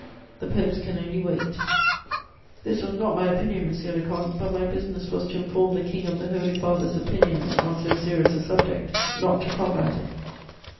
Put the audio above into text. The popes can only wait.' "This was not my opinion, monsieur le comte; but my business was to inform the King of the Holy Father's opinion on so serious a subject, not to combat it.